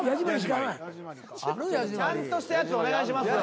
ちゃんとしたやつお願いしますよ